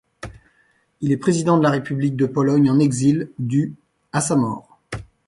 Il est président de la République de Pologne en exil du à sa mort.